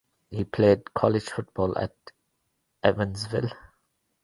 He played college football at Evansville.